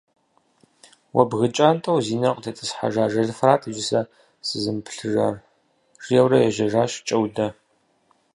Уэ бгы кӀантӀэу зи нэр къытетӀысхьэжа ажалыфэрат иджы сэ сызымыплъыжар! - жиӀэурэ ежьэжащ КӀэудэ.